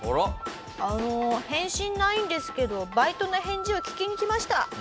「あの返信ないんですけどバイトの返事を聞きに来ました」。